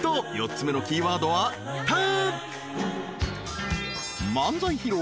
４つ目のキーワードは「た」］